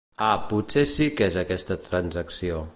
Ah, potser sí que és aquesta transacció.